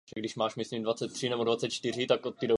Tyto druhy želv pak plavou stejným stylem jako mořské želvy.